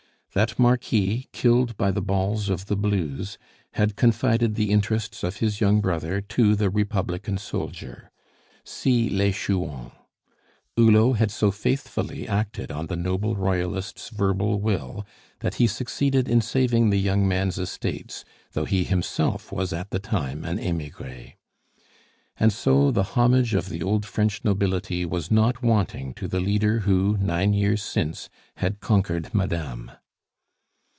That Marquis, killed by the balls of the "Blues," had confided the interests of his young brother to the Republican soldier. (See Les Chouans.) Hulot had so faithfully acted on the noble Royalist's verbal will, that he succeeded in saving the young man's estates, though he himself was at the time an emigre. And so the homage of the old French nobility was not wanting to the leader who, nine years since, had conquered MADAME.